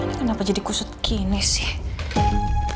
ini kenapa jadi kusut kini sih